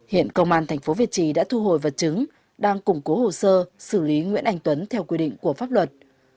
hiện công an tp việt trì đã thu hồi vật chứng đang củng cố hồ sơ xử lý nguyễn anh tuấn theo quy định của pháp luật